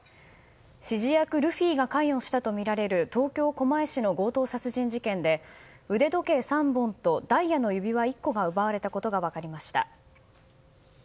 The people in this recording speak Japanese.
指示役ルフィが関与したとみられる東京狛江市の強盗殺人事件で腕時計３本とダイヤの指輪１個が奪われたことが分かりました。